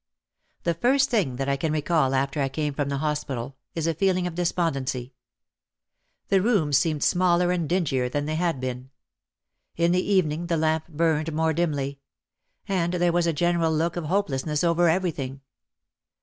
The first thing that I can recall after I came from the hospital, is a feeling of despondency. The rooms OUT OF THE SHADOW 247 seemed smaller and dingier than they had been. In the evening the lamp burned more dimly. And there was a general look of hopelessness over everything.